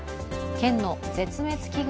県の絶滅危惧